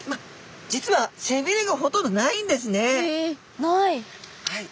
実はせびれがほとんどないんですね。へえない。